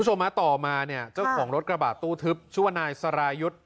จะควรมาต่อมาเนี้ยเจ้าของรถกระบาดตู้ทึบช่วยบ้านายสารายุทธ